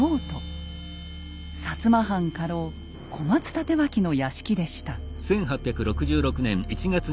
摩藩家老小松帯刀の屋敷でした。